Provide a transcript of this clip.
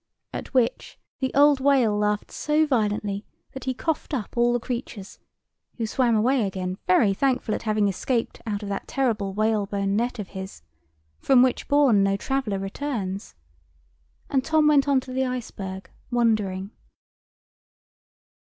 At which the old whale laughed so violently that he coughed up all the creatures; who swam away again very thankful at having escaped out of that terrible whalebone net of his, from which bourne no traveller returns; and Tom went on to the iceberg, wondering.